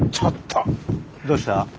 どうした？